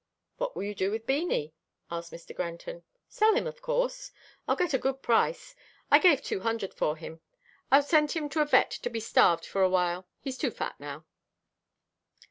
"What will you do with Beanie?" asked Mr. Granton. "Sell him of course I'll get a good price. I gave two hundred for him. I'll send him to a vet to be starved for a while. He's too fat now."